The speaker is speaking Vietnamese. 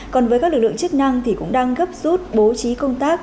còn với các lực lượng chức năng thì cũng đang gấp rút bố trí công tác